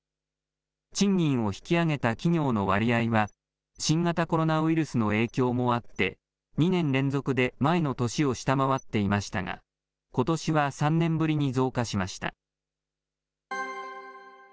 賃金を引き上げた企業の割合は、新型コロナウイルスの影響もあって、２年連続で前の年を下回っていましたが、ことしは３年ぶりに増加しました。